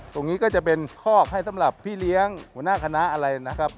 ตรงนี้ก็จะเป็นคอกให้สำหรับพี่เลี้ยงหัวหน้าคณะอะไรนะครับ